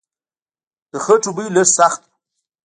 د خټو بوی لږ سخت و.